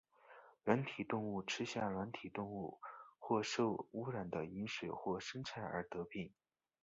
软体动物吃下软体动物或受污染的饮水或生菜而得病。